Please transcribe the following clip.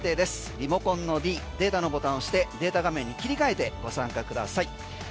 リモコンのｄデータのボタン押してデータ画面に切り替えてご参加ください。